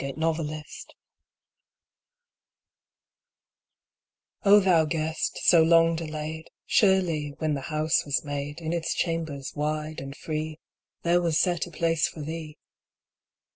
THE GUEST O THOU Guest so long delayed, Surely, when the house was made, In its chambers wide and free, There was set a place for thee.